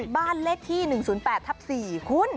บ้านเลขที่๑๐๘ทับ๔คุณ